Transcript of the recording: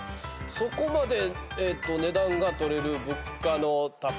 そこまで値段がとれる物価の高さと。